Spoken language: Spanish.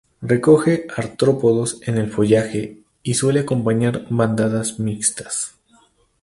Recoge artrópodos en el follaje, y suele acompañar bandadas mixtas.